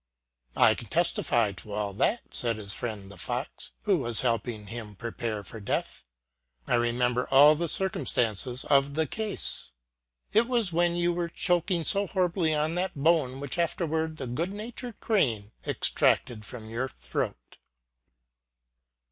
" I can testify to all that," said his friend, the fox, who was helping him prepare for death ;" I remember all the circumstances of the case : it was when you were choking so horribly with that bone which afterward the good natured crane extracted from your throat."